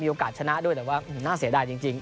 โอกาสชนะด้วยแต่ว่าน่าเสียดายจริง